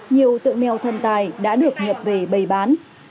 nhiều tượng mèo thần tài đã được nhập về bày bán